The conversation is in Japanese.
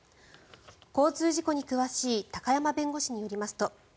交通事故に詳しい高山弁護士によりますと